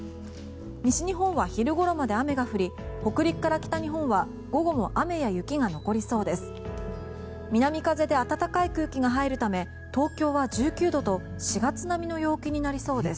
西日本は昼ごろまで雨が降り北陸から北日本は午後も雨や雪が残りそうです。